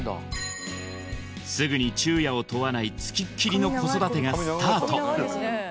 すぐに昼夜を問わないつきっきりの子育てがスタート